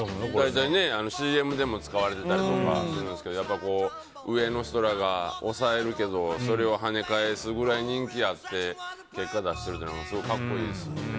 大体ＣＭでも使われてたりするんですけど上の人らが押さえるけどそれを跳ね返すくらい人気あって結果出してるのがすごく格好いいです。